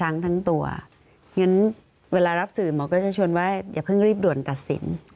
มันชวนว่าอย่าเพิ่งรีบด่วนตัดสิน